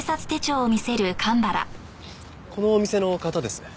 このお店の方ですね？